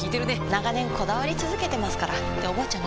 長年こだわり続けてますからっておばあちゃん